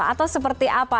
atau seperti apa